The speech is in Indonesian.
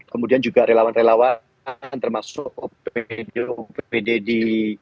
kemudian juga relawan relawan termasuk opd opd di